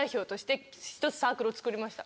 １つサークルを作りました。